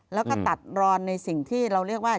แล้วก็ตัดรอนในสิ่งที่เราเรียกว่า